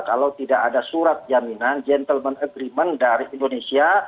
kalau tidak ada surat jaminan gentleman agreement dari indonesia